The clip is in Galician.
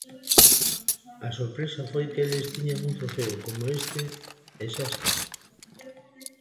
A sorpresa foi que eles tiñan un trofeo coma este e xa está.